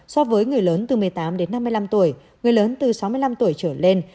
so với người lớn từ một mươi tám đến năm mươi năm tuổi người lớn từ sáu mươi năm tuổi trở lên